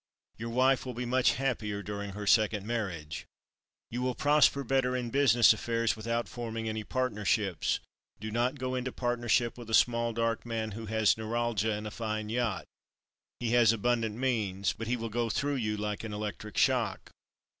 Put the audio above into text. Your wife will be much happier during her second marriage. "You will prosper better in business matters without forming any partnerships. Do not go into partnership with a small, dark man who has neuralgia and a fine yacht. He has abundant means, but he will go through you like an electric shock.